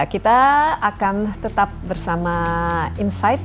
kita akan tetap bersama insight